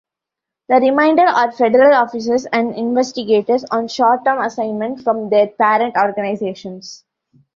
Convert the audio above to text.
The remainder are federal officers and investigators on short-term assignment from their parent organizations.